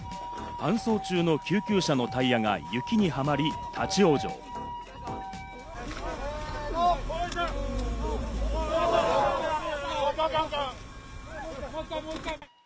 搬送中の救急車のタイヤが雪にはまり立ち往生。ＯＫ！ＯＫ！